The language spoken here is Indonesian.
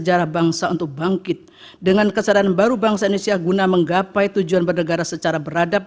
sejarah bangsa untuk bangkit dengan kesadaran baru bangsa indonesia guna menggapai tujuan bernegara secara beradab